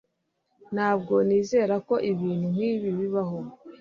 Ntabwo nizera ko ibintu nkibi bibaho